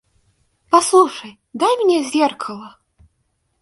Послушай, дай мне зеркало.